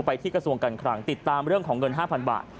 ที่กระทรวงการคลังติดตามเรื่องของเงิน๕๐๐บาท